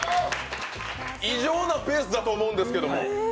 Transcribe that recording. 異常なペースだと思うんですけれども。